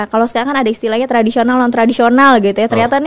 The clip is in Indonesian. kalau sekarang kan ada istilahnya tradisional non tradisional gitu ya